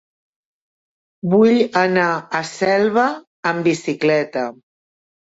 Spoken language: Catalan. Vull anar a Selva amb bicicleta.